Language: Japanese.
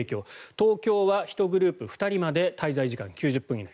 東京は１グループ２人まで滞在時間９０分以内。